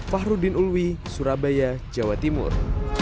fahrudin ulwi surabaya jawa timur